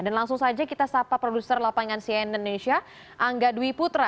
dan langsung saja kita sapa produser lapangan cien indonesia angga dwi putra